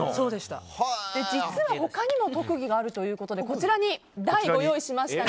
実は他にも特技があるということでこちらに台をご用意しました。